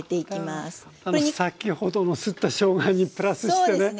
先ほどのすったしょうがにプラスしてね。